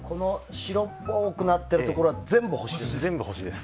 白っぽくなってるところが全部星？